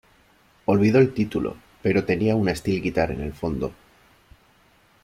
Olvido el título pero tenía una steel guitar en el fondo.